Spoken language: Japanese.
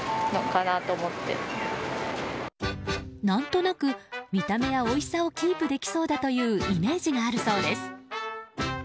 何となく見た目や、おいしさをキープできそうだというイメージがあるそうです。